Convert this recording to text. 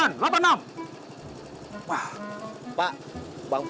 aja ada apa lagi